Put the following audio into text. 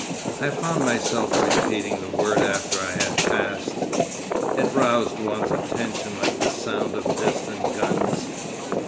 I found myself repeating the word after I had passed; it roused one's attention like the sound of distant guns.